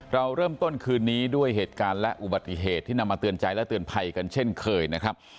เราเริ่มต้นคืนนี้ด้วยเหตุการณ์และอุบัติเหตุที่นำมาเตือนใจและเตือนภัยกันเช่นเคยนะครับ